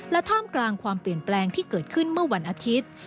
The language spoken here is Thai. ท่ามกลางความเปลี่ยนแปลงที่เกิดขึ้นเมื่อวันอาทิตย์